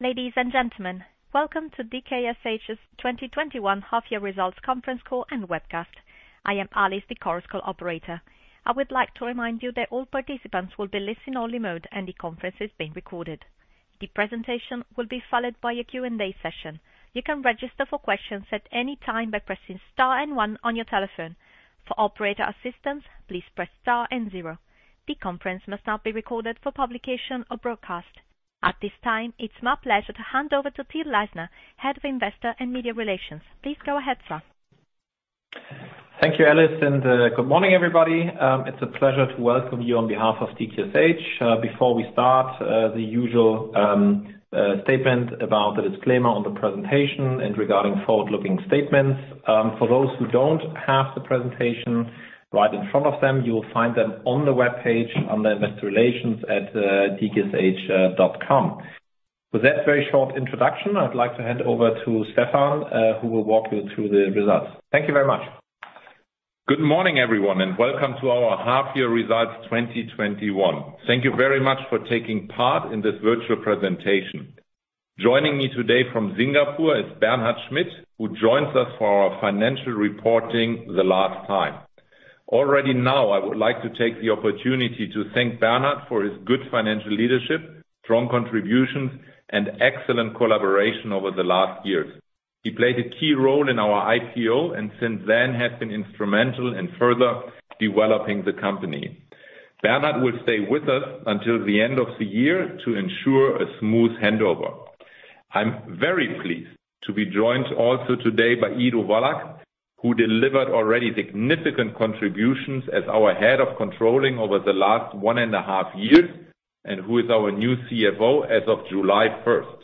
Ladies and gentlemen, welcome to DKSH's 2021 half year results conference call and webcast. I am Alice, the conference call operator. I would like to remind you that all participants will be listen only mode and the conference is being recorded. The presentation will be followed by a Q&A session. You can register for questions at any time by pressing star and one on your telephone. For operator assistance, please press star and zero. The conference must not be recorded for publication or broadcast. At this time, it's my pleasure to hand over to Till Leisner, Head of Investor and Media Relations. Please go ahead, sir. Thank you, Alice, good morning, everybody. It's a pleasure to welcome you on behalf of DKSH. Before we start, the usual statement about the disclaimer on the presentation and regarding forward-looking statements. For those who don't have the presentation right in front of them, you will find them on the webpage under investor relations at dksh.com. With that very short introduction, I'd like to hand over to Stefan, who will walk you through the results. Thank you very much. Good morning, everyone, and welcome to our half year results 2021. Thank you very much for taking part in this virtual presentation. Joining me today from Singapore is Bernhard Schmitt, who joins us for our financial reporting the last time. Already now I would like to take the opportunity to thank Bernhard for his good financial leadership, strong contributions, and excellent collaboration over the last years. He played a key role in our IPO and since then has been instrumental in further developing the company. Bernhard will stay with us until the end of the year to ensure a smooth handover. I'm very pleased to be joined also today by Ido Wallach, who delivered already significant contributions as our Head of Controlling over the last one and a half years and who is our new CFO as of July 1st.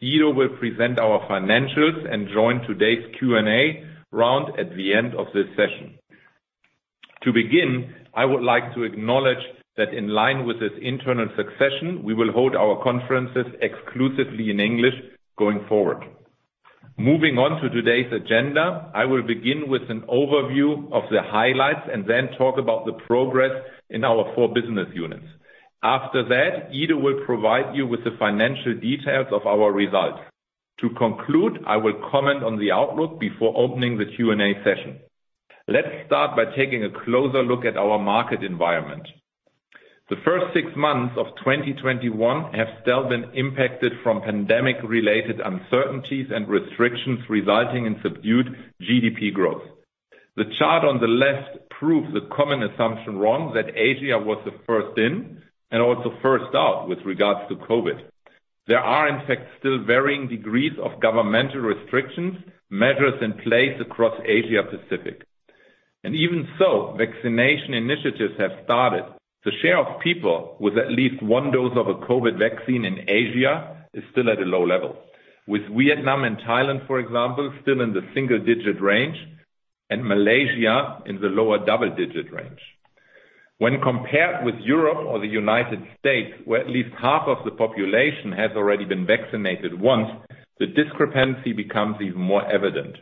Ido will present our financials and join today's Q&A round at the end of this session. To begin, I would like to acknowledge that in line with this internal succession, we will hold our conferences exclusively in English going forward. Moving on to today's agenda, I will begin with an overview of the highlights and then talk about the progress in our four business units. After that, Ido will provide you with the financial details of our results. To conclude, I will comment on the outlook before opening the Q&A session. Let's start by taking a closer look at our market environment. The first six months of 2021 have still been impacted from pandemic related uncertainties and restrictions resulting in subdued GDP growth. The chart on the left proves the common assumption wrong that Asia was the first in and also first out with regards to COVID. There are in fact still varying degrees of governmental restrictions, measures in place across Asia Pacific. Even so, vaccination initiatives have started. The share of people with at least one dose of a COVID vaccine in Asia is still at a low level, with Vietnam and Thailand, for example, still in the single-digit range and Malaysia in the lower double-digit range. When compared with Europe or the U.S., where at least half of the population has already been vaccinated once, the discrepancy becomes even more evident.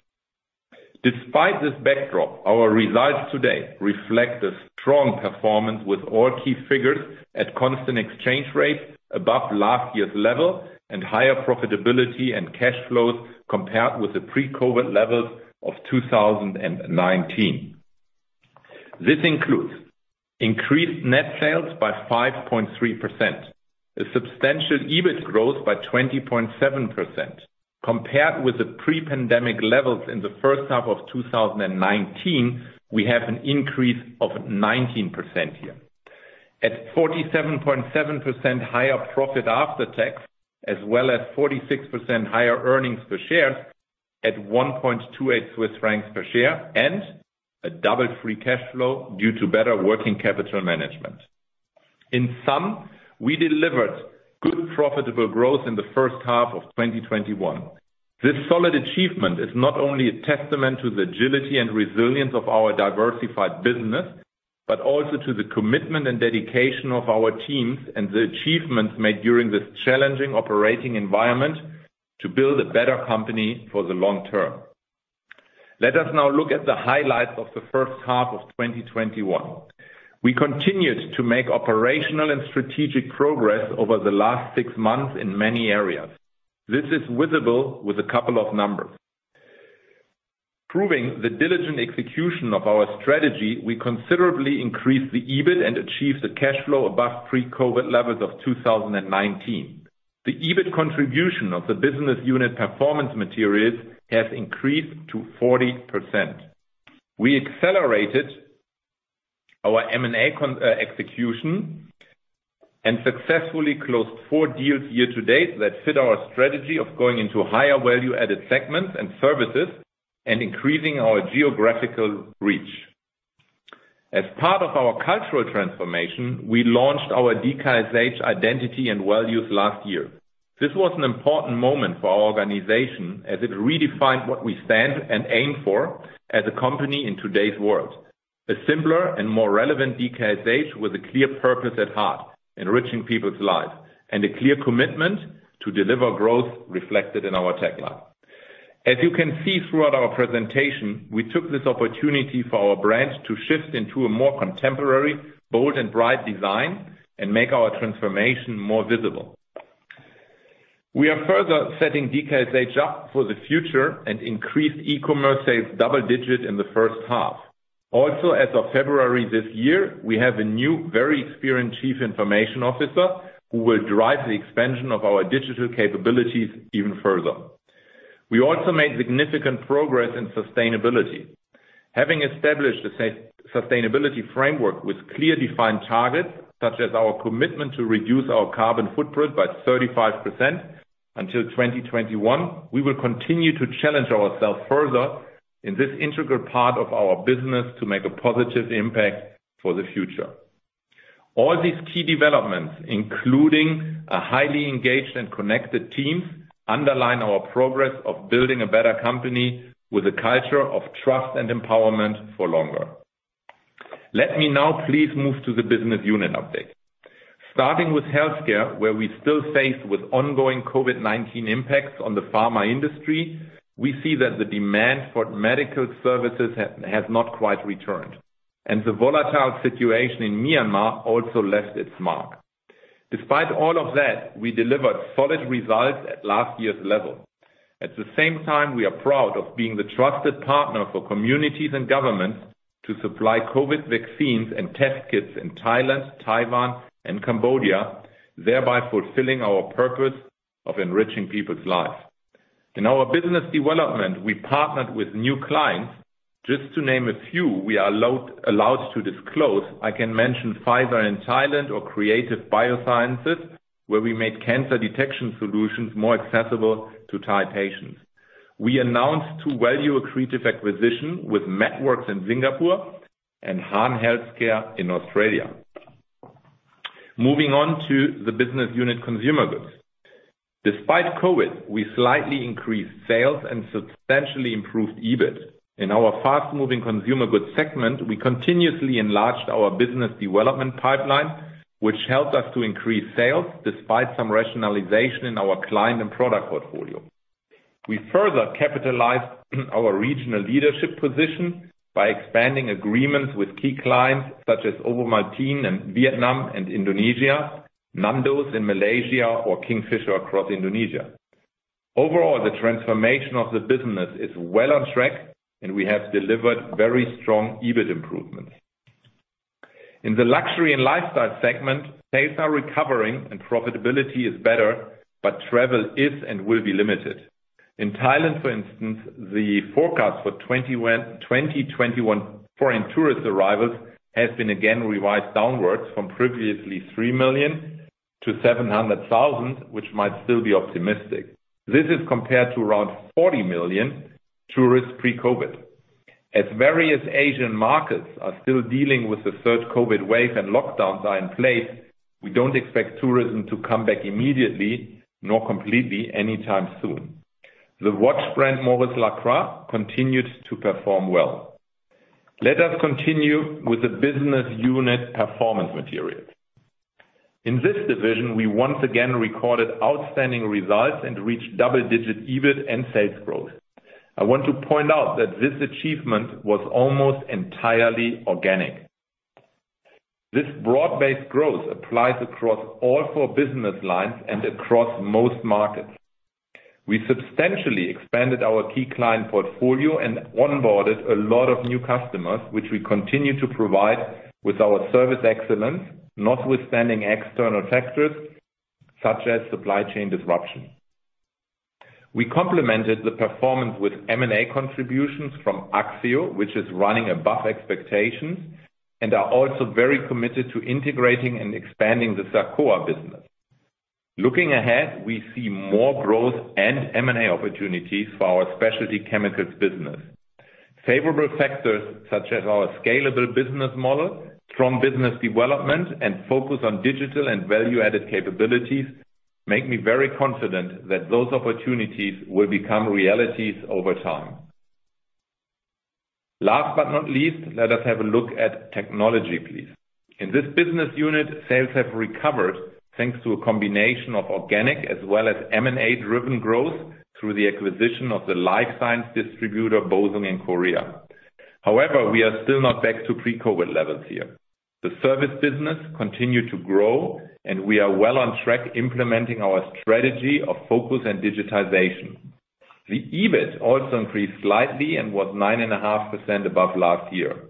Despite this backdrop, our results today reflect a strong performance with all key figures at constant exchange rates above last year's level and higher profitability and cash flows compared with the pre-COVID levels of 2019. This includes increased net sales by 5.3%, a substantial EBIT growth by 20.7% compared with the pre-pandemic levels in the first half of 2019, we have an increase of 19% here. At 47.7% higher profit after tax, as well as 46% higher earnings per share at 1.28 Swiss francs per share and a double free cash flow due to better working capital management. In sum, we delivered good profitable growth in the first half of 2021. This solid achievement is not only a testament to the agility and resilience of our diversified business, but also to the commitment and dedication of our teams and the achievements made during this challenging operating environment to build a better company for the long term. Let us now look at the highlights of the first half of 2021. We continued to make operational and strategic progress over the last six months in many areas. This is visible with a couple of numbers. Proving the diligent execution of our strategy, we considerably increased the EBIT and achieved the cash flow above pre-COVID levels of 2019. The EBIT contribution of the business unit Performance Materials has increased to 40%. We accelerated our M&A execution and successfully closed four deals year to date that fit our strategy of going into higher value added segments and services and increasing our geographical reach. As part of our cultural transformation, we launched our DKSH identity and values last year. This was an important moment for our organization as it redefined what we stand and aim for as a company in today's world. A simpler and more relevant DKSH with a clear purpose at heart, enriching people's lives, and a clear commitment to deliver growth reflected in our tagline. You can see throughout our presentation, we took this opportunity for our brand to shift into a more contemporary, bold, and bright design and make our transformation more visible. We are further setting DKSH up for the future and increased e-commerce sales double-digit in the first half. As of February this year, we have a new very experienced Chief Information Officer who will drive the expansion of our digital capabilities even further. We made significant progress in sustainability. Having established a sustainability framework with clearly defined targets, such as our commitment to reduce our carbon footprint by 35% until 2021, we will continue to challenge ourselves further in this integral part of our business to make a positive impact for the future. All these key developments, including a highly engaged and connected team, underline our progress of building a better company with a culture of trust and empowerment for longer. Let me now please move to the business unit update. Starting with Healthcare, where we still face with ongoing COVID-19 impacts on the pharma industry. We see that the demand for medical services has not quite returned, and the volatile situation in Myanmar also left its mark. Despite all of that, we delivered solid results at last year's level. At the same time, we are proud of being the trusted partner for communities and governments to supply COVID vaccines and test kits in Thailand, Taiwan, and Cambodia, thereby fulfilling our purpose of enriching people's lives. In our business development, we partnered with new clients. Just to name a few we are allowed to disclose, I can mention Pfizer in Thailand or Creative Biosciences, where we made cancer detection solutions more accessible to Thai patients. We announced two value accretive acquisition with MedWorkz in Singapore and Hahn Healthcare in Australia. Moving on to the business unit Consumer Goods. Despite COVID, we slightly increased sales and substantially improved EBIT. In our Fast-Moving Consumer Goods segment, we continuously enlarged our business development pipeline, which helped us to increase sales despite some rationalization in our client and product portfolio. We further capitalized our regional leadership position by expanding agreements with key clients such as Ovomaltine in Vietnam and Indonesia, Nando's in Malaysia, or King's Fisher across Indonesia. Overall, the transformation of the business is well on track, and we have delivered very strong EBIT improvements. In the luxury and lifestyle segment, sales are recovering and profitability is better, but travel is and will be limited. In Thailand, for instance, the forecast for 2021 foreign tourist arrivals has been again revised downwards from previously 3 million to 700,000, which might still be optimistic. This is compared to around 40 million tourists pre-COVID. As various Asian markets are still dealing with the third COVID wave and lockdowns are in place, we don't expect tourism to come back immediately, nor completely anytime soon. The watch brand, Maurice Lacroix, continues to perform well. Let us continue with the business unit Performance Materials. In this division, we once again recorded outstanding results and reached double-digit EBIT and sales growth. I want to point out that this achievement was almost entirely organic. This broad-based growth applies across all four business lines and across most markets. We substantially expanded our key client portfolio and onboarded a lot of new customers, which we continue to provide with our service excellence, notwithstanding external factors such as supply chain disruption. We complemented the performance with M&A contributions from Axieo, which is running above expectations and are also very committed to integrating and expanding the SACOA business. Looking ahead, we see more growth and M&A opportunities for our specialty chemicals business. Favorable factors such as our scalable business model, strong business development, and focus on digital and value-added capabilities make me very confident that those opportunities will become realities over time. Last but not least, let us have a look at technology, please. In this business unit, sales have recovered thanks to a combination of organic as well as M&A-driven growth through the acquisition of the life science distributor, Bosung in Korea. However, we are still not back to pre-COVID levels here. The service business continued to grow, and we are well on track implementing our strategy of focus and digitization. The EBIT also increased slightly and was 9.5% above last year.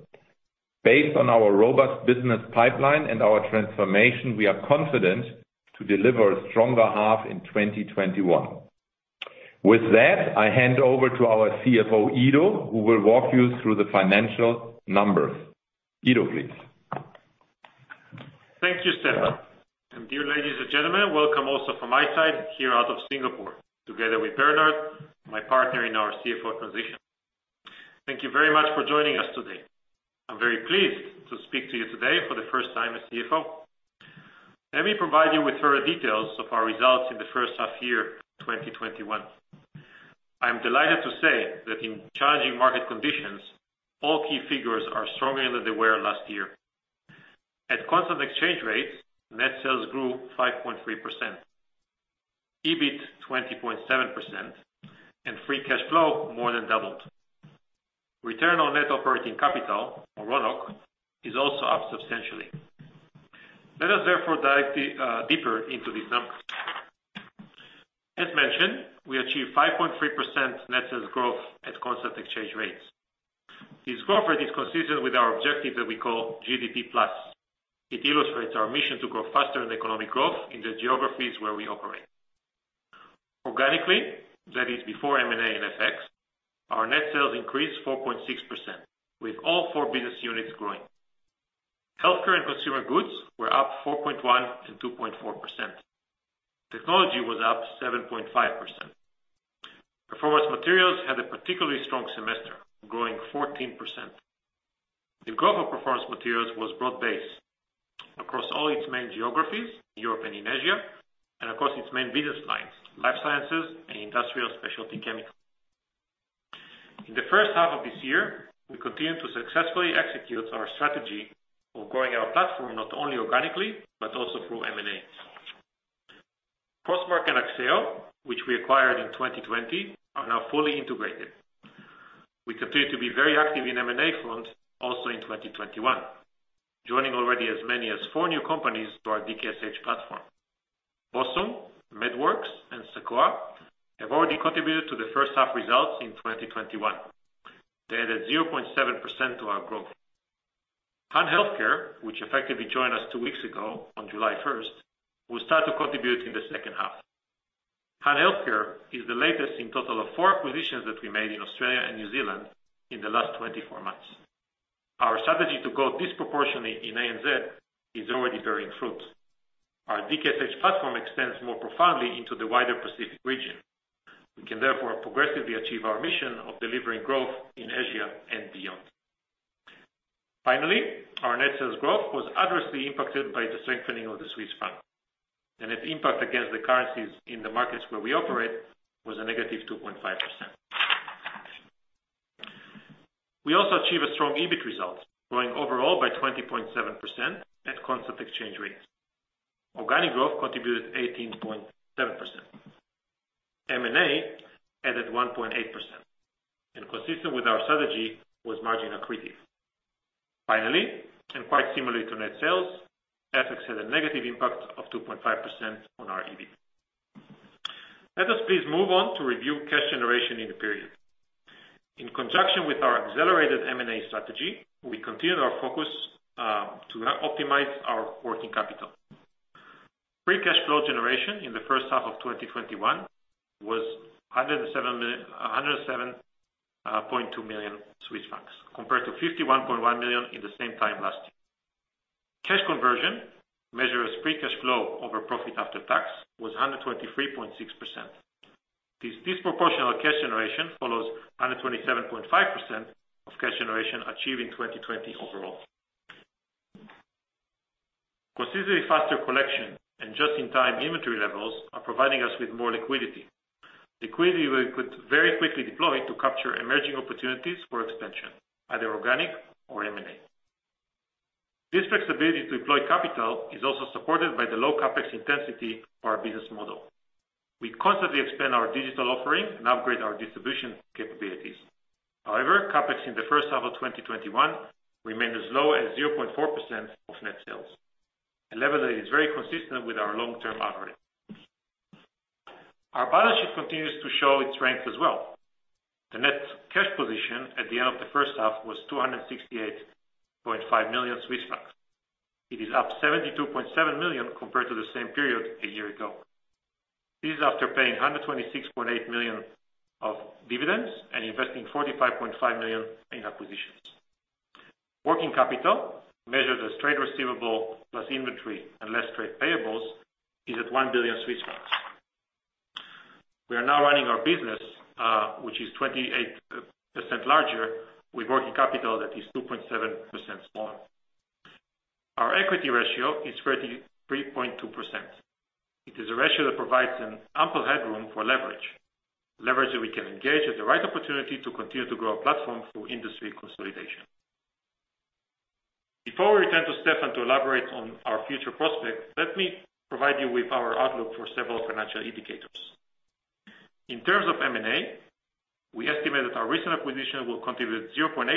Based on our robust business pipeline and our transformation, we are confident to deliver a stronger half in 2021. With that, I hand over to our CFO, Ido, who will walk you through the financial numbers. Ido, please. Thank you, Stefan. Dear ladies and gentlemen, welcome also from my side here out of Singapore, together with Bernhard, my partner in our CFO transition. Thank you very much for joining us today. I'm very pleased to speak to you today for the first time as CFO. Let me provide you with further details of our results in the first half year 2021. I'm delighted to say that in challenging market conditions, all key figures are stronger than they were last year. At constant exchange rates, net sales grew 5.3%, EBIT 20.7%, and free cash flow more than doubled. Return on net operating capital, or RONOC, is also up substantially. Let us therefore dive deeper into these numbers. As mentioned, we achieved 5.3% net sales growth at constant exchange rates. This growth rate is consistent with our objective that we call GDP Plus. It illustrates our mission to grow faster than economic growth in the geographies where we operate. Organically, that is before M&A and FX, our net sales increased 4.6%, with all four business units growing. Healthcare and consumer goods were up 4.1% and 2.4%. Technology was up 7.5%. Performance Materials had a particularly strong semester, growing 14%. The growth of Performance Materials was broad-based across all its main geographies, Europe and in Asia, and across its main business lines, life sciences and industrial specialty chemicals. In the first half of this year, we continued to successfully execute our strategy of growing our platform, not only organically, but also through M&As. Crossmark and Axieo, which we acquired in 2020, are now fully integrated. We continue to be very active in M&A front also in 2021, joining already as many as four new companies to our DKSH platform. Bosung, MedWorkz, and SACOA have already contributed to the first half results in 2021. They added 0.7% to our growth. Hahn Healthcare, which effectively joined us two weeks ago, on July 1st, will start to contribute in the second half. Hahn Healthcare is the latest in total of four acquisitions that we made in Australia and New Zealand in the last 24 months. Our strategy to grow disproportionately in ANZ is already bearing fruit. Our DKSH platform extends more profoundly into the wider Pacific region. We can therefore progressively achieve our mission of delivering growth in Asia and beyond. Finally, our net sales growth was adversely impacted by the strengthening of the Swiss franc, and its impact against the currencies in the markets where we operate was a negative 2.5%. We also achieved a strong EBIT result, growing overall by 20.7% at constant exchange rates. Organic growth contributed 18.7%. M&A added 1.8%, and consistent with our strategy, was margin accretive. Finally, and quite similarly to net sales, FX had a negative impact of 2.5% on our EBIT. Let us please move on to review cash generation in the period. In conjunction with our accelerated M&A strategy, we continued our focus to optimize our working capital. Free cash flow generation in the first half of 2021 was 107.2 million Swiss francs, compared to 51.1 million in the same time last year. Cash conversion, measured as free cash flow over profit after tax, was 123.6%. This disproportional cash generation follows 127.5% of cash generation achieved in 2020 overall. Considerably faster collection and just-in-time inventory levels are providing us with more liquidity. Liquidity we could very quickly deploy to capture emerging opportunities for expansion, either organic or M&A. This flexibility to deploy capital is also supported by the low CapEx intensity of our business model. We constantly expand our digital offering and upgrade our distribution capabilities. However, CapEx in the first half of 2021 remained as low as 0.4% of net sales, a level that is very consistent with our long-term average. Our balance sheet continues to show its strength as well. The net cash position at the end of the first half was 268.5 million Swiss francs. It is up 72.7 million compared to the same period a year ago. This is after paying 126.8 million of dividends and investing 45.5 million in acquisitions. Working capital, measured as trade receivable plus inventory and less trade payables, is at 1 billion Swiss francs. We are now running our business, which is 28% larger, with working capital that is 2.7% smaller. Our equity ratio is 33.2%. It is a ratio that provides an ample headroom for leverage. Leverage that we can engage at the right opportunity to continue to grow our platform through industry consolidation. Before we return to Stefan to elaborate on our future prospects, let me provide you with our outlook for several financial indicators. In terms of M&A, we estimate that our recent acquisition will contribute 0.8%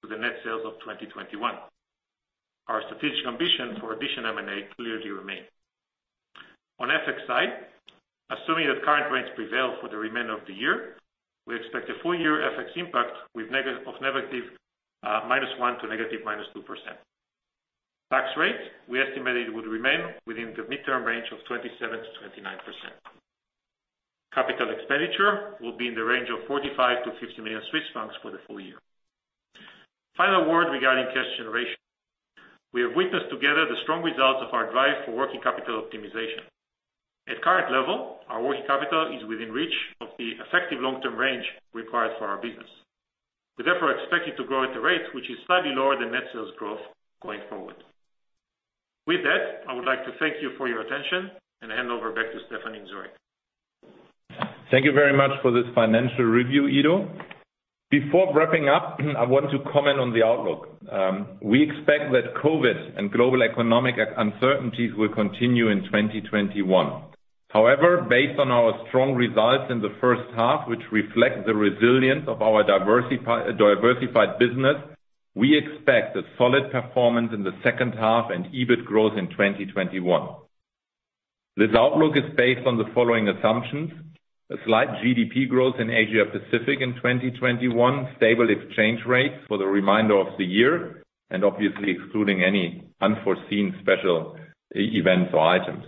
to the net sales of 2021. On FX side, assuming that current rates prevail for the remainder of the year, we expect a full year FX impact of -1% to -2%. Tax rate, we estimate it would remain within the midterm range of 27%-29%. CapEx will be in the range of 45 million-50 million Swiss francs for the full year. Final word regarding cash generation. We have witnessed together the strong results of our drive for working capital optimization. At current level, our working capital is within reach of the effective long-term range required for our business. We therefore expect it to grow at a rate which is slightly lower than net sales growth going forward. With that, I would like to thank you for your attention and hand over back to Stefan in Zurich. Thank you very much for this financial review, Ido. Before wrapping up, I want to comment on the outlook. We expect that COVID and global economic uncertainties will continue in 2021. Based on our strong results in the first half, which reflect the resilience of our diversified business, we expect a solid performance in the second half and EBIT growth in 2021. This outlook is based on the following assumptions: a slight GDP growth in Asia Pacific in 2021, stable exchange rates for the remainder of the year, obviously excluding any unforeseen special events or items.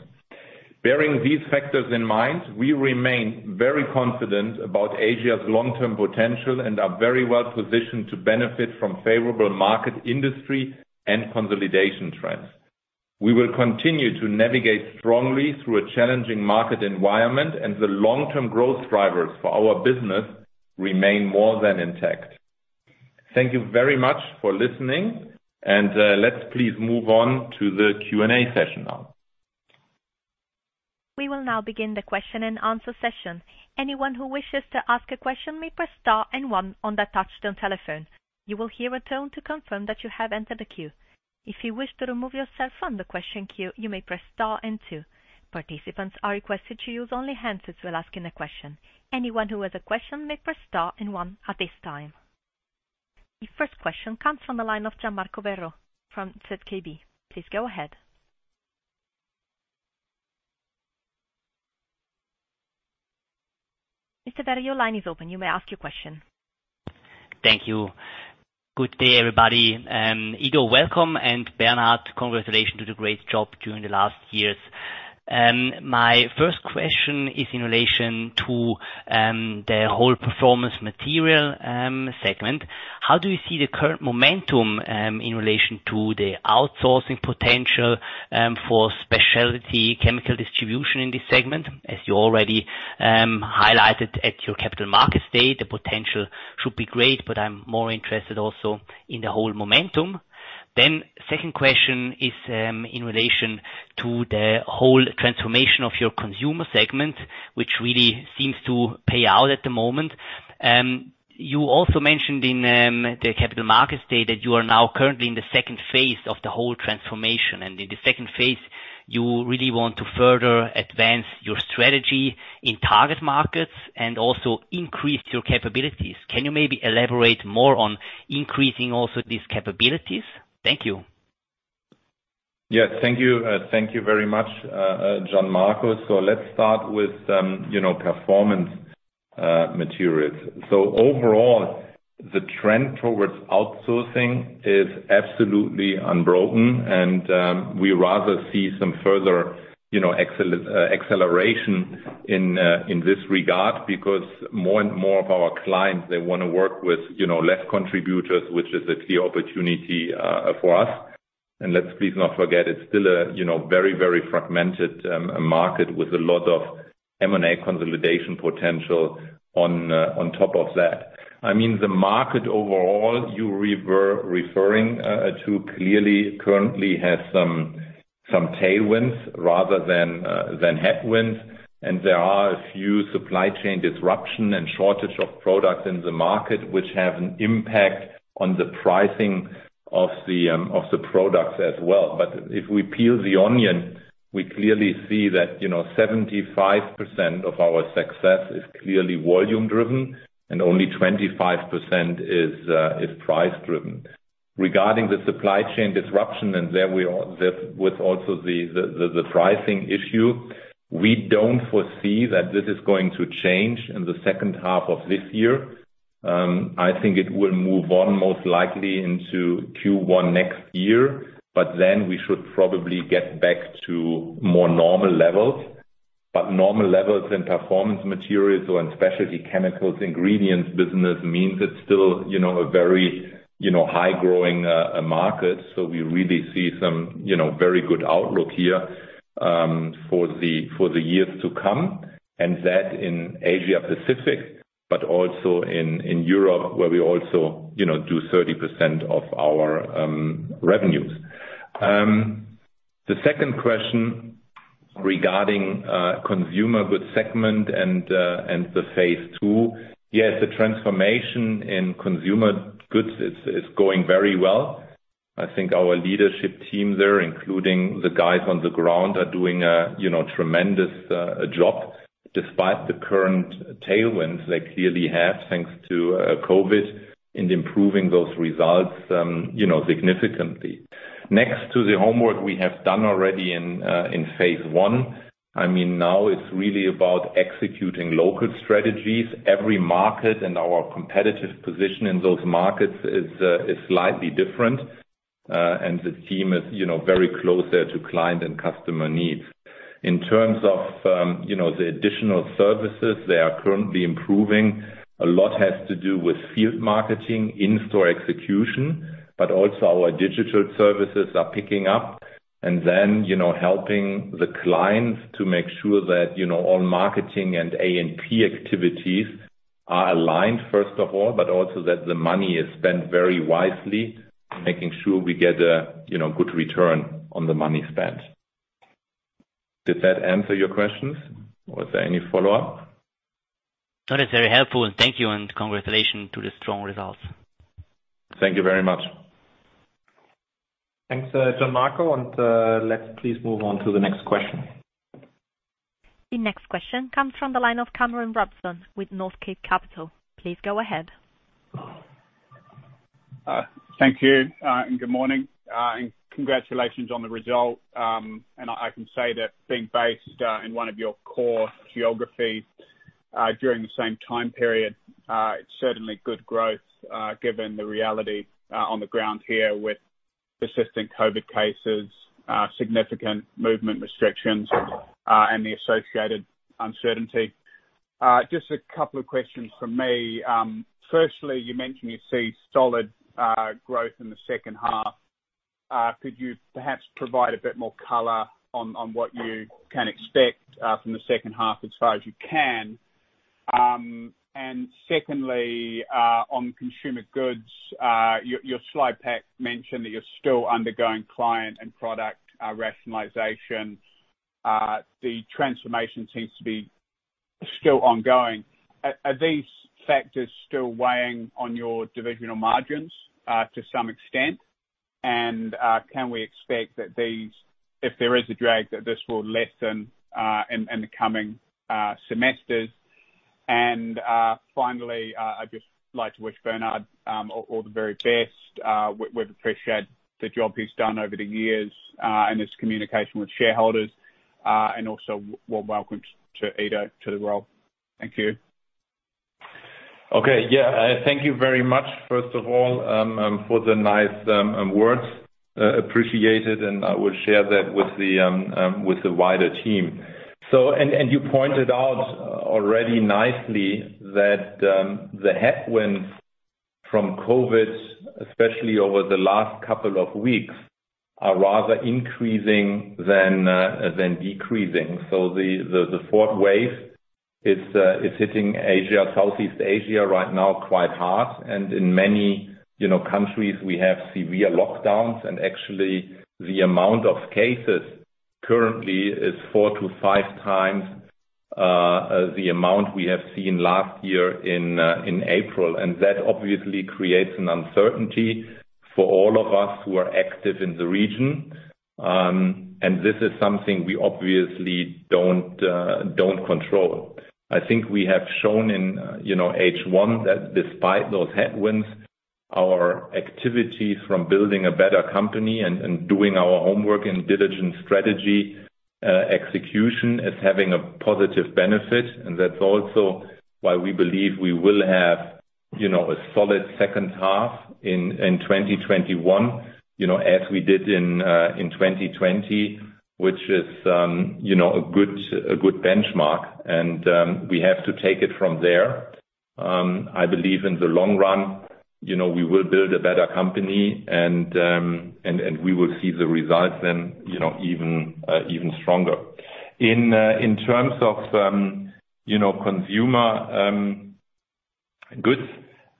Bearing these factors in mind, we remain very confident about Asia's long-term potential and are very well-positioned to benefit from favorable market industry and consolidation trends. We will continue to navigate strongly through a challenging market environment, the long-term growth drivers for our business remain more than intact. Thank you very much for listening, and let's please move on to the Q&A session now. We will now begin the question and answer session. Anyone who wishes to ask a question may press star and one on their touchtone telephone. You will hear a tone to confirm that you have entered the queue. If you wish to remove yourself from the question queue, you may press star and two. Participants are requested to use only handsets while asking a question. Anyone who has a question may press star and one at this time. The first question comes from the line of Gian Marco Werro from ZKB. Please go ahead. Mr. Werro, your line is open. You may ask your question. Thank you. Good day, everybody. Ido, welcome, and Bernhard, congratulations to the great job during the last years. My first question is in relation to the whole Performance Materials segment. How do you see the current momentum in relation to the outsourcing potential for specialty chemical distribution in this segment? As you already highlighted at your Capital Markets Day, the potential should be great, but I'm more interested also in the whole momentum. Second question is in relation to the whole transformation of your Consumer segment, which really seems to pay out at the moment. You also mentioned in the Capital Markets Day that you are now currently in the second phase of the whole transformation. In the second phase, you really want to further advance your strategy in target markets and also increase your capabilities. Can you maybe elaborate more on increasing also these capabilities? Thank you. Yes. Thank you very much, Gian Marco. Let's start with Performance Materials. Overall, the trend towards outsourcing is absolutely unbroken and we rather see some further acceleration in this regard because more and more of our clients, they want to work with less contributors, which is a key opportunity for us. Let's please not forget it's still a very fragmented market with a lot of M&A consolidation potential on top of that. The market overall you're referring to clearly currently has some tailwinds rather than headwinds, there are a few supply chain disruption and shortage of products in the market which have an impact on the pricing of the products as well. If we peel the onion, we clearly see that 75% of our success is clearly volume driven and only 25% is price driven. Regarding the supply chain disruption and with also the pricing issue, we don't foresee that this is going to change in the second half of this year. I think it will move on most likely into Q1 next year. We should probably get back to more normal levels. Normal levels in Performance Materials or in specialty chemicals ingredients business means it's still a very high-growing market. We really see some very good outlook here for the years to come, and that in Asia Pacific, but also in Europe where we also do 30% of our revenues. The second question regarding Consumer Goods segment and the phase II. Yes, the transformation in Consumer Goods is going very well. I think our leadership team there, including the guys on the ground, are doing a tremendous job despite the current tailwinds they clearly have, thanks to COVID, in improving those results significantly. Next to the homework we have done already in phase I, now it's really about executing local strategies. Every market and our competitive position in those markets is slightly different. The team is very close there to client and customer needs. In terms of the additional services they are currently improving, a lot has to do with field marketing, in-store execution, but also our digital services are picking up and then helping the clients to make sure that all marketing and A&P activities are aligned, first of all, but also that the money is spent very wisely, making sure we get a good return on the money spent. Did that answer your questions or is there any follow-up? That is very helpful. Thank you, and congratulations to the strong results. Thank you very much. Thanks, Gian Marco. Let's please move on to the next question. The next question comes from the line of Cameron Robson with Northcape Capital. Please go ahead. Thank you, good morning, and congratulations on the result. I can say that being based in one of your core geographies during the same time period, it's certainly good growth, given the reality on the ground here with persistent COVID cases, significant movement restrictions, and the associated uncertainty. Just a couple of questions from me. Firstly, you mentioned you see solid growth in the second half. Could you perhaps provide a bit more color on what you can expect from the second half as far as you can? Secondly, on consumer goods, your slide pack mentioned that you're still undergoing client and product rationalization. The transformation seems to be still ongoing. Are these factors still weighing on your divisional margins to some extent? Can we expect that these, if there is a drag, that this will lessen in the coming semesters? Finally, I'd just like to wish Bernhard all the very best. We've appreciated the job he's done over the years and his communication with shareholders. Also, well, welcome to Ido to the role. Thank you. Thank you very much, first of all, for the nice words. Appreciated, and I will share that with the wider team. You pointed out already nicely that the headwinds from COVID, especially over the last couple of weeks, are rather increasing than decreasing. The fourth wave is hitting Asia, Southeast Asia right now quite hard. In many countries, we have severe lockdowns. Actually, the amount of cases currently is four to five times the amount we have seen last year in April. That obviously creates an uncertainty for all of us who are active in the region. This is something we obviously don't control. I think we have shown in H1 that despite those headwinds, our activities from building a better company and doing our homework and diligent strategy execution is having a positive benefit. That's also why we believe we will have a solid second half in 2021, as we did in 2020, which is a good benchmark. We have to take it from there. I believe in the long run, we will build a better company and we will see the results then even stronger. In terms of consumer goods,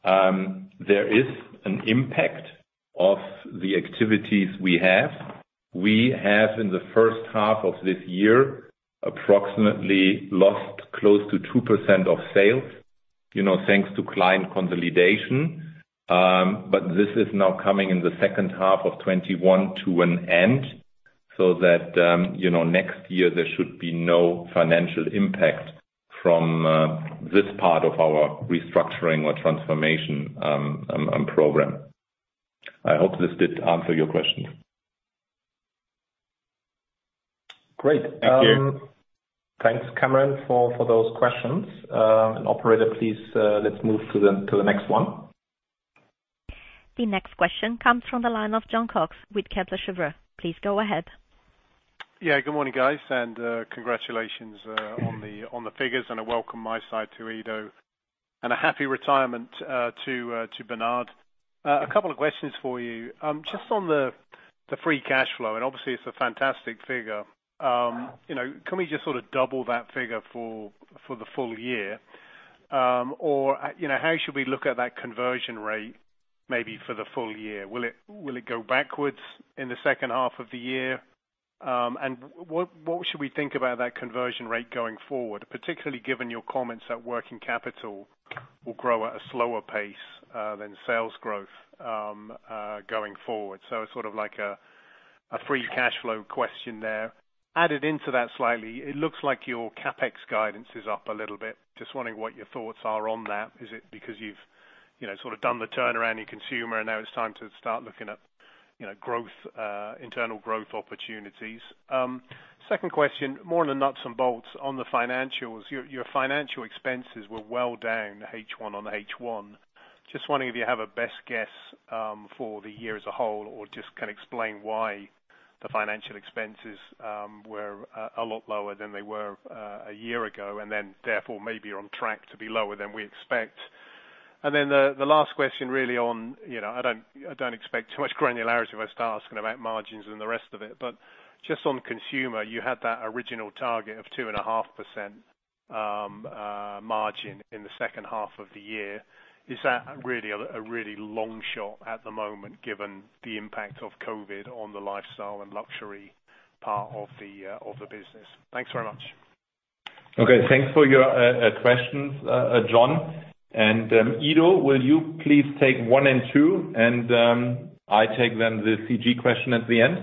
there is an impact of the activities we have. We have in the first half of this year approximately lost close to 2% of sales, thanks to client consolidation. This is now coming in the second half of 2021 to an end, so that next year there should be no financial impact from this part of our restructuring or transformation program. I hope this did answer your question. Great. Thank you. Thanks, Cameron, for those questions. Operator, please, let's move to the next one. The next question comes from the line of Jon Cox with Kepler Cheuvreux. Please go ahead. Yeah, good morning, guys, and congratulations on the figures and a welcome my side to Ido, and a happy retirement to Bernhard. A couple of questions for you. Just on the free cash flow, and obviously, it's a fantastic figure. Can we just sort of double that figure for the full year? How should we look at that conversion rate maybe for the full year? Will it go backwards in the second half of the year? What should we think about that conversion rate going forward, particularly given your comments that working capital will grow at a slower pace than sales growth going forward? It's sort of like a free cash flow question there. Added into that slightly, it looks like your CapEx guidance is up a little bit. Just wondering what your thoughts are on that. Is it because you've sort of done the turnaround in consumer and now it's time to start looking at internal growth opportunities? Second question, more on the nuts and bolts on the financials. Your financial expenses were well down H1 on H1. Just wondering if you have a best guess for the year as a whole, or just kind of explain why the financial expenses were a lot lower than they were a year ago, and then therefore, maybe you're on track to be lower than we expect. The last question really on, I don't expect too much granularity when I start asking about margins and the rest of it. Just on consumer, you had that original target of 2.5% margin in the second half of the year. Is that a really long shot at the moment, given the impact of COVID on the lifestyle and luxury part of the business? Thanks very much. Okay. Thanks for your questions, Jon. Ido, will you please take one and two, and I take then the CG question at the end?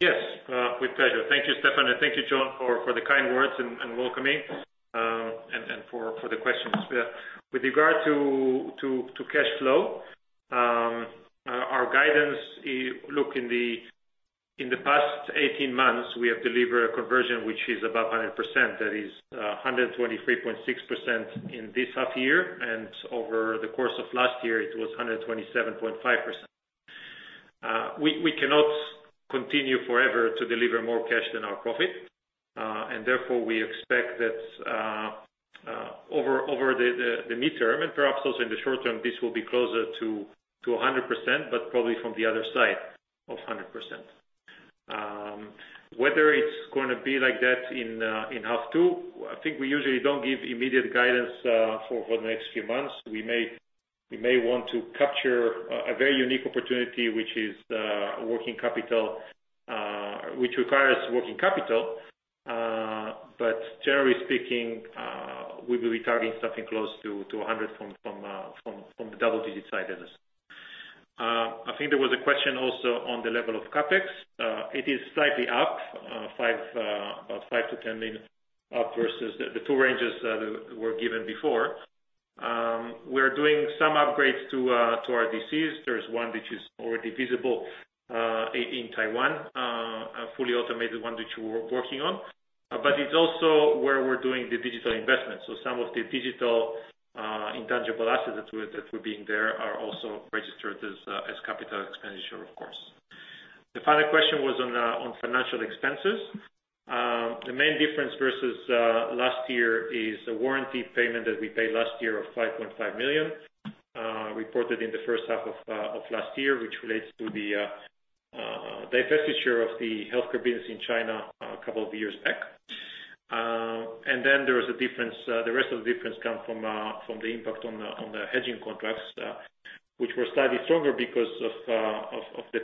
Yes, with pleasure. Thank you, Stefan, and thank you, Jon, for the kind words and welcoming, and for the questions. With regard to cash flow, our guidance, look, in the past 18 months, we have delivered a conversion which is above 100%. That is 123.6% in this half year. Over the course of last year, it was 127.5%. We cannot continue forever to deliver more cash than our profit. Therefore, we expect that over the midterm, and perhaps also in the short term, this will be closer to 100%, but probably from the other side of 100%. Whether it's going to be like that in half two, I think we usually don't give immediate guidance for the next few months. We may want to capture a very unique opportunity, which requires working capital. Generally speaking, we will be targeting something close to 100 from the double-digit side of this. I think there was a question also on the level of CapEx. It is slightly up, about 5 million-10 million up versus the two ranges that were given before. We're doing some upgrades to our DCs. There's one which is already visible, in Taiwan, a fully automated one which we're working on. It's also where we're doing the digital investment. Some of the digital intangible assets that were being there are also registered as capital expenditure, of course. The final question was on financial expenses. The main difference versus last year is a warranty payment that we paid last year of 5.5 million, reported in the first half of last year, which relates to the divestiture of the healthcare business in China a couple of years back. The rest of the difference come from the impact on the hedging contracts, which were slightly stronger because of the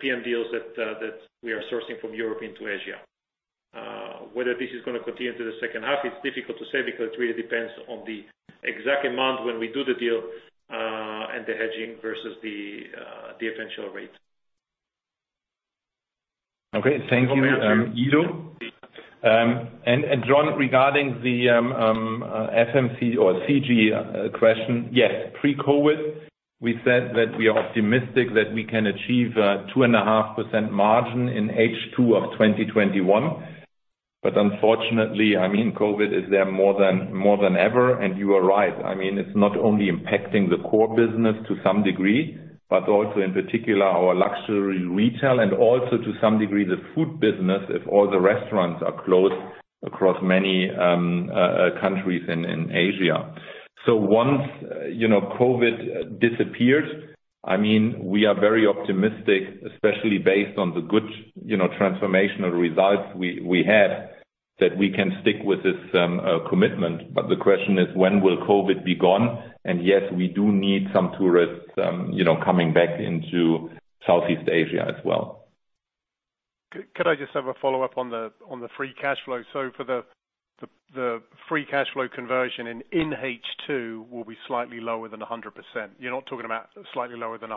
PM deals that we are sourcing from Europe into Asia. Whether this is going to continue into the second half, it is difficult to say because it really depends on the exact amount when we do the deal, and the hedging versus the potential rate. Okay. Thank you, Ido. Jon, regarding the FMCG or CG question, yes, pre-COVID, we said that we are optimistic that we can achieve 2.5% margin in H2 of 2021. Unfortunately, COVID is there more than ever. You are right. It's not only impacting the core business to some degree, but also in particular our luxury retail and also to some degree the food business if all the restaurants are closed across many countries in Asia. Once COVID disappears, we are very optimistic, especially based on the good transformational results we had, that we can stick with this commitment. The question is, when will COVID be gone? Yes, we do need some tourists coming back into Southeast Asia as well. Could I just have a follow-up on the free cash flow? For the free cash flow conversion in H2 will be slightly lower than 100%. You're not talking about slightly lower than 100%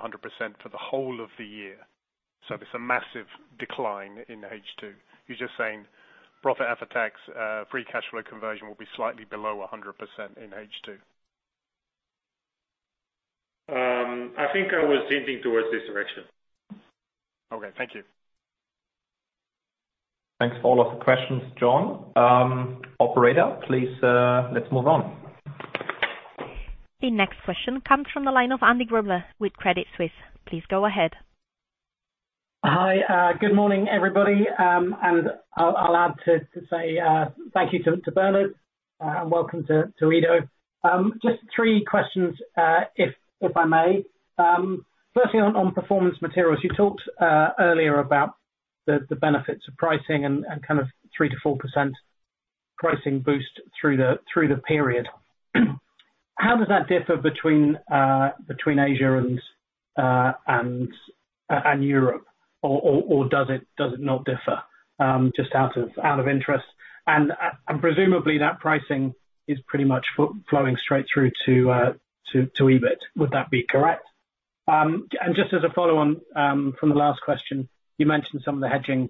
for the whole of the year. There's a massive decline in H2. You're just saying profit after tax, free cash flow conversion will be slightly below 100% in H2. I think I was hinting towards this direction. Okay. Thank you. Thanks a lot for questions, Jon. Operator, please, let's move on. The next question comes from the line of Andy Grobler with Credit Suisse. Please go ahead. Hi. Good morning, everybody. I'll add to say thank you to Bernhard and welcome to Ido. Just three questions, if I may. Firstly, on Performance Materials, you talked earlier about the benefits of pricing and kind of 3%-4% pricing boost through the period. How does that differ between Asia and Europe? Or does it not differ? Just out of interest. Presumably that pricing is pretty much flowing straight through to EBIT. Would that be correct? Just as a follow-on from the last question, you mentioned some of the hedging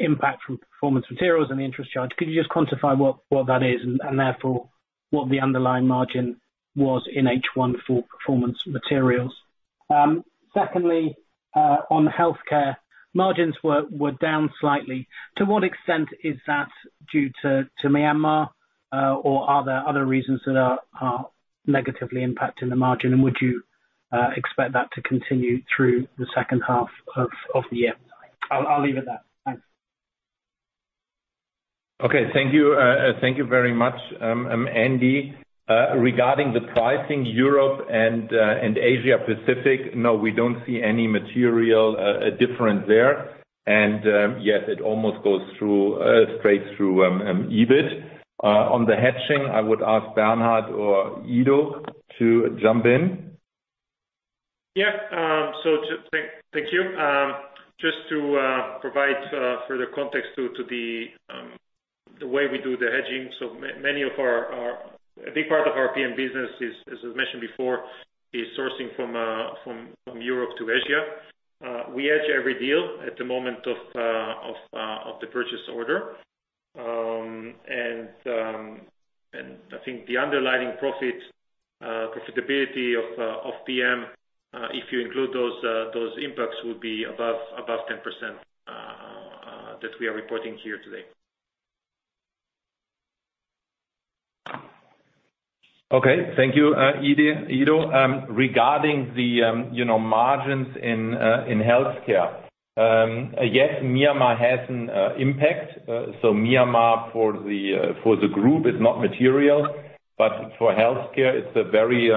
impact from Performance Materials and the interest charge. Could you just quantify what that is and therefore what the underlying margin was in H1 for Performance Materials? Secondly, on healthcare, margins were down slightly. To what extent is that due to Myanmar? Or are there other reasons that are negatively impacting the margin? Would you expect that to continue through the second half of the year? I'll leave it there. Thanks. Okay. Thank you very much, Andy. Regarding the pricing Europe and Asia Pacific, no, we don't see any material difference there. Yes, it almost goes straight through EBIT. On the hedging, I would ask Bernhard or Ido to jump in. Yeah. Thank you. Just to provide further context to the way we do the hedging. A big part of our PM business, as I mentioned before, is sourcing from Europe to Asia. We hedge every deal at the moment of the purchase order. I think the underlying profitability of PM, if you include those impacts, would be above 10% that we are reporting here today. Okay. Thank you, Ido. Regarding the margins in healthcare. Yes, Myanmar has an impact. Myanmar for the group is not material, but for healthcare it's a very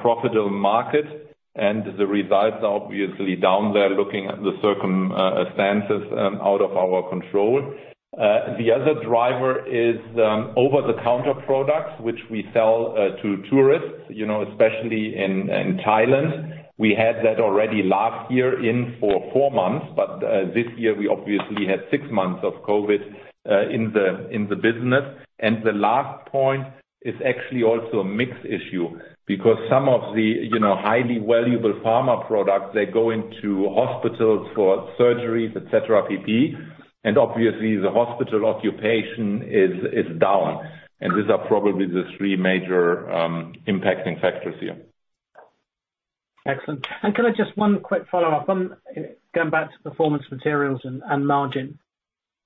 profitable market and the results are obviously down there looking at the circumstances out of our control. The other driver is over the counter products which we sell to tourists especially in Thailand. We had that already last year in for four months, but this year we obviously had six months of COVID in the business. The last point is actually also a mixed issue because some of the highly valuable pharma products, they go into hospitals for surgeries, et cetera, PPE, and obviously the hospital occupation is down. These are probably the three major impacting factors here. Excellent. Can I just one quick follow-up on going back to Performance Materials and margin.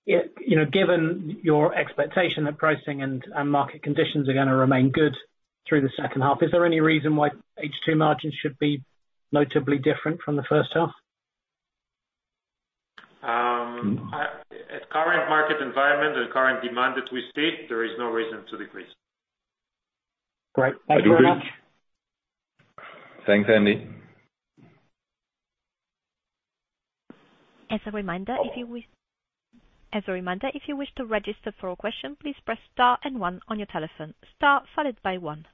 Given your expectation that pricing and market conditions are going to remain good through the second half, is there any reason why H2 margins should be notably different from the first half? At current market environment and current demand that we see, there is no reason to decrease. Great. Thank you very much. Thanks, Andy. As a reminder, if you wish to register for a question, please press star and one on your telephone. Star followed by one.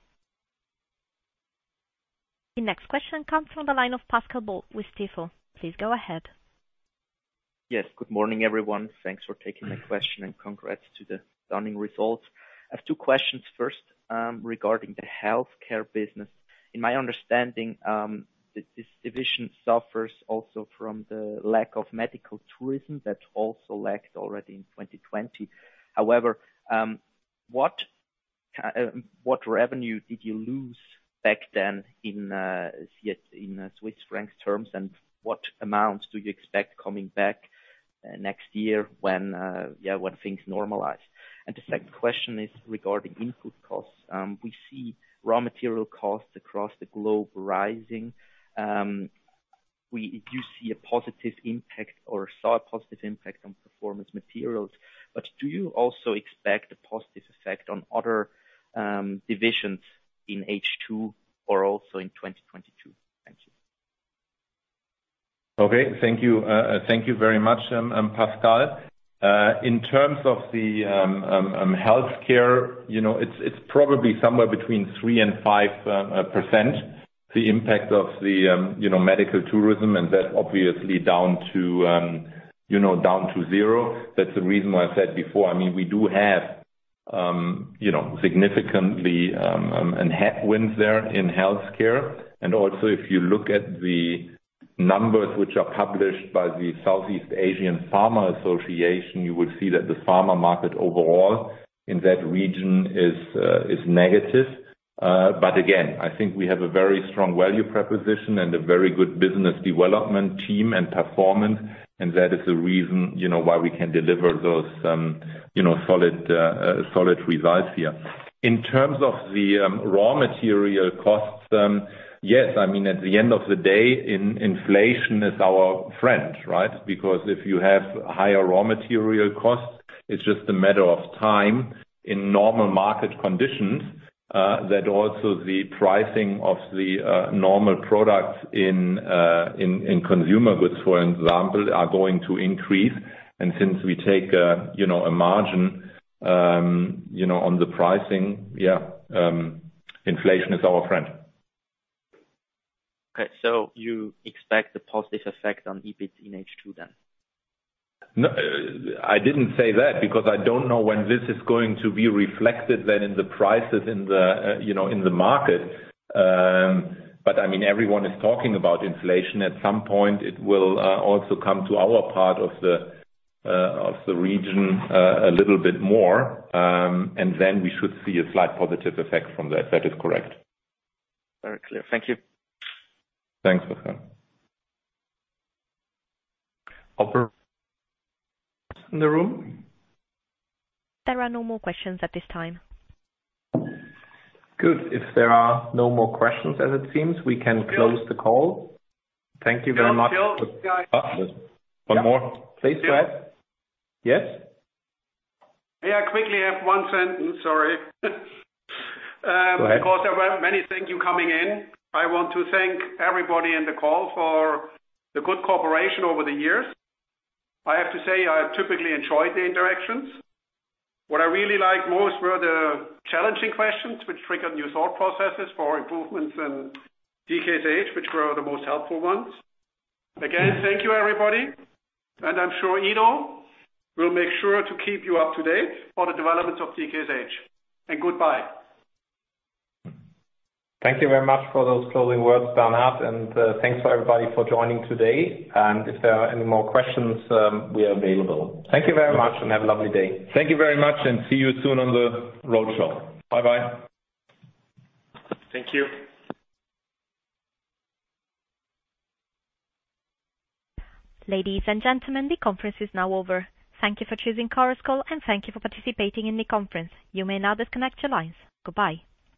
The next question comes from the line of Pascal Boll with Stifel. Please go ahead. Yes. Good morning, everyone. Thanks for taking my question and congrats to the stunning results. I have two questions. First, regarding the healthcare business. In my understanding, this division suffers also from the lack of medical tourism that also lacked already in 2020. However, what revenue did you lose back then in Swiss franc terms, and what amounts do you expect coming back next year when things normalize? The second question is regarding input costs. We see raw material costs across the globe rising. We do see a positive impact or saw a positive impact on Performance Materials, do you also expect a positive effect on other divisions in H2 or also in 2022? Thank you. Okay. Thank you very much, Pascal. In terms of the healthcare, it's probably somewhere between 3% and 5%, the impact of the medical tourism and that obviously down to zero. That's the reason why I said before, we do have significantly headwinds there in healthcare. Also if you look at the numbers which are published by the Southeast Asian Pharma Association, you would see that the pharma market overall in that region is negative. Again, I think we have a very strong value proposition and a very good business development team and performance and that is the reason why we can deliver those solid results here. In terms of the raw material costs, yes. At the end of the day, inflation is our friend, right? Because if you have higher raw material costs, it's just a matter of time in normal market conditions, that also the pricing of the normal products in consumer goods, for example, are going to increase and since we take a margin on the pricing, yeah, inflation is our friend. Okay. You expect a positive effect on EBIT in H2 then? No, I didn't say that because I don't know when this is going to be reflected then in the prices in the market. Everyone is talking about inflation. At some point it will also come to our part of the region a little bit more, and then we should see a slight positive effect from that. That is correct. Very clear. Thank you. Thanks, Pascal. Operator. In the room? There are no more questions at this time. Good. If there are no more questions as it seems, we can close the call. Thank you very much. Still. One more. Please go ahead. Yes. Yeah. Quickly, I have one sentence. Sorry. Go ahead. Because there were many thank you coming in, I want to thank everybody in the call for the good cooperation over the years. I have to say, I have typically enjoyed the interactions. What I really liked most were the challenging questions which triggered new thought processes for improvements in DKSH which were the most helpful ones. Again, thank you, everybody, and I'm sure Ido will make sure to keep you up to date on the developments of DKSH. Goodbye. Thank you very much for those closing words, Bernhard, and thanks for everybody for joining today. If there are any more questions, we are available. Thank you very much and have a lovely day. Thank you very much and see you soon on the roadshow. Bye-bye. Thank you. Ladies and gentlemen, the conference is now over. Thank you for choosing Chorus Call, and thank you for participating in the conference. You may now disconnect your lines. Goodbye.